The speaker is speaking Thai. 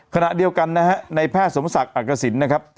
ขณะเดียวกันนะฮะในแพทย์สมศักดิ์อักษิณนะครับ